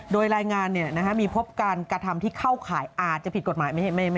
โดยรายงานมีพบการกระทำที่เข้าข่ายอาจจะผิดกฎหมาย